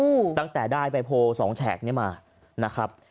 อู้ววตั้งแต่ได้ใบโพล๒แฉกนี้มานะครับ